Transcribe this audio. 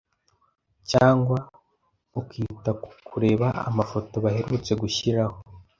cyangwa ukita ku kureba amafoto baherutse gushyiraho